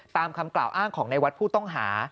ตามคำกล่าวอ้างของในวัดผู้ต้องหา